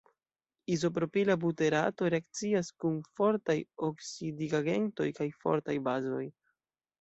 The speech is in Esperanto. Izopropila buterato reakcias kun fortaj oksidigagentoj kaj fortaj bazoj.